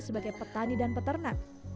sebagai petani dan peternak